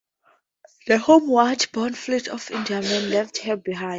The homeward bound fleet of Indiamen left her behind.